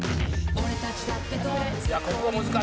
「俺たちだって動物」